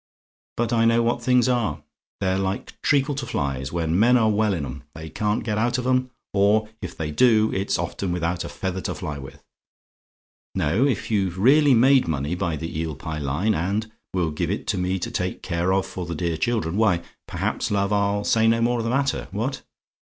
But I know what these things are: they're like treacle to flies: when men are well in 'em, they can't get out of 'em: or, if they do, it's often without a feather to fly with. No: if you've really made money by the Eel Pie line, and will give it to me to take care of for the dear children, why, perhaps, love, I'll say no more of the matter. What?